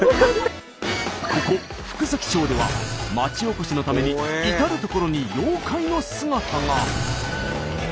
ここ福崎町では町おこしのために至る所に妖怪の姿が。